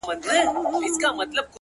• هم دي د سرو سونډو په سر كي جـادو؛